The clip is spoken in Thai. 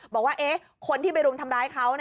บอกว่าคนที่ไปรุมทำร้ายเขา